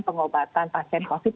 pengobatan pasien covid